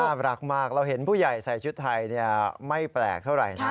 รักมากเราเห็นผู้ใหญ่ใส่ชุดไทยไม่แปลกเท่าไหร่นะ